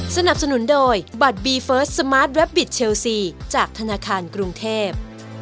สนับสนุนโดยบัตรบีเฟิร์สสมาร์ทแวบบิตเชลซีจากธนาคารกรุงเทพ